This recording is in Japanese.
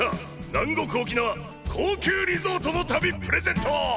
南国沖縄高級リゾートの旅プレゼント！